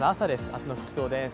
明日の服装です。